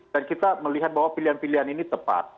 dan kita melihat bahwa pilihan pilihan ini tepat